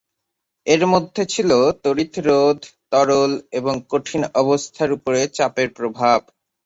এর মধ্যে ছিল তড়িৎ রোধ, তরল এবং কঠিন অবস্থার উপর চাপের প্রভাব।